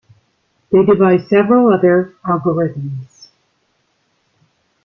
They devised several other algorithms.